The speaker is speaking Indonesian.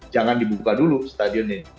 jangan dibuka dulu stadionnya